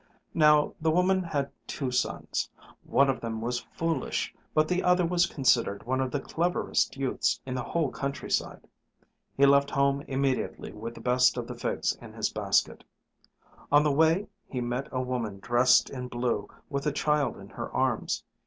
Now the woman had two sons. One of them was foolish, but the other was considered one of the cleverest youths in the whole countryside. He left home immediately with the best of the figs in his basket. On the way he met a woman dressed in blue with a child in her arms.